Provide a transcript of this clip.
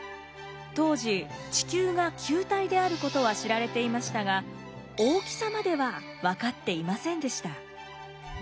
当時地球が球体であることは知られていましたが大きさまでは分かっていませんでした。